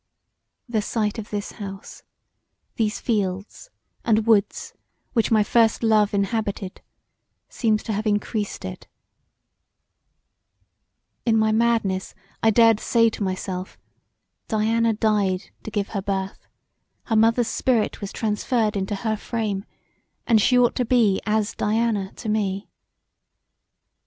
The sight of this house, these fields and woods which my first love inhabited seems to have encreased it: in my madness I dared say to myself Diana died to give her birth; her mother's spirit was transferred into her frame, and she ought to be as Diana to me.